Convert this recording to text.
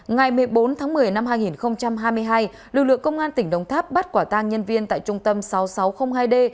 ngày một mươi bốn tháng một mươi năm hai nghìn hai mươi hai lực lượng công an tỉnh đồng tháp bắt quả tang nhân viên tại trung tâm sáu nghìn sáu trăm linh hai d